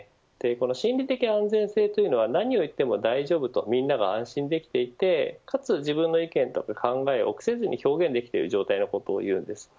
この心理的安全性というのは何を言っても大丈夫とみんなが安心できていてかつ、自分の意見とか考えを臆せずに表現できていることを言うんです。